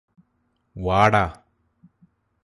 വാടാ